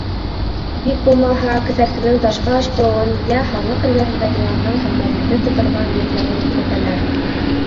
Бик булмаһа, кеҫәрткенең ташҡа ышҡылыуын йә һаҙлыҡ эргәһендә йыландың тәлмәрйенде тоторға ниәтләүен күҙәтәләр.